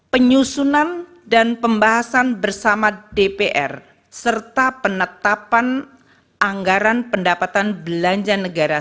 penyusunan dan pembahasan bersama dpr serta penetapan anggaran pendapatan belanja negara